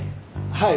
はい。